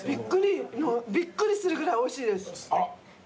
びっくりするぐらいおいしいです。